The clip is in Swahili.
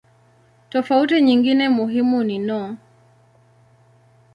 Tofauti nyingine muhimu ni no.